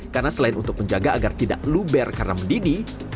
karena selain untuk menjaga agar tidak luber karena mendidih